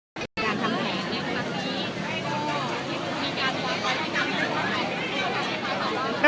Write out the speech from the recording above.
ไอ้น้ำ